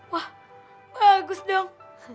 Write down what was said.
wah bagus dong